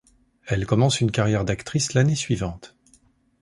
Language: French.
Elle commence une carrière d'actrice l'année suivante.